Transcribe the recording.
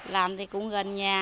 làm thì cũng gần nhà